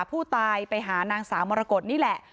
ผู้ตายไปหานางสาวมรกฏนี่แหละ